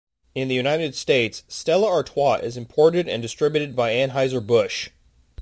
In the United States, Stella Artois is imported and distributed by Anheuser-Busch.